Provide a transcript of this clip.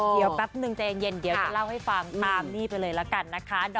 เดี๋ยวแป๊บนึงใจเย็นเดี๋ยวจะเล่าให้ฟังตามนี่ไปเลยละกันนะคะ